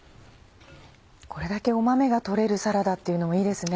これだけ豆が取れるサラダっていうのもいいですね。